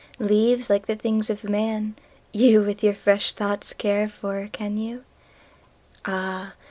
Leáves, líke the things of man, youWith your fresh thoughts care for, can you? Áh!